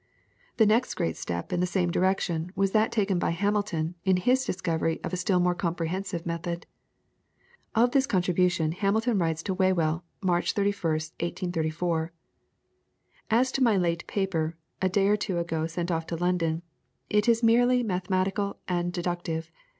The next great step in the same direction was that taken by Hamilton in his discovery of a still more comprehensive method. Of this contribution Hamilton writes to Whewell, March 31st, 1834: "As to my late paper, a day or two ago sent off to London, it is merely mathematical and deductive.